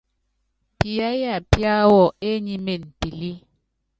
Piyááya píáwɔ enyímen pilí.